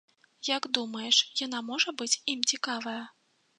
Як думаеш, яна можа быць ім цікавая?